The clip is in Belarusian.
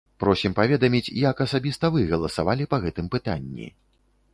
Просім паведаміць, як асабіста вы галасавалі па гэтым пытанні?